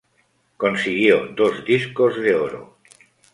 Consiguió dos Discos de Oro.